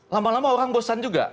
lama lama orang bosan juga